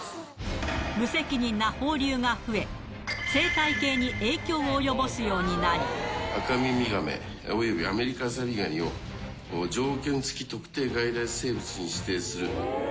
無責任な放流が増え、生態系アカミミガメ、およびアメリカザリガニを条件付特定外来生物に指定する。